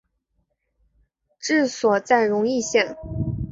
治所在荣懿县。